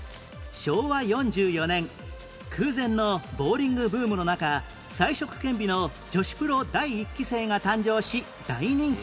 昭和４４年空前のボウリングブームの中才色兼備の女子プロ第１期生が誕生し大人気に